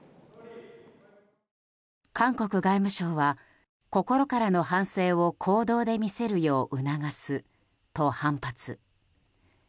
韓国外務省は心からの反省を行動で見せるよう促すと反発。